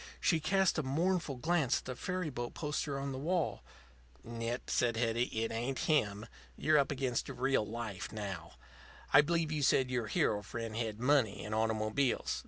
She cast a mournful glance at the ferry boat poster on the wall. "Nit," said Hetty. "It ain't him. You're up against real life now. I believe you said your hero friend had money and automobiles.